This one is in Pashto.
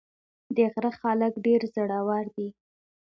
د غره خلک ډېر زړور دي.